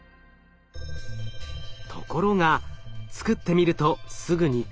ところがつくってみるとすぐに課題が。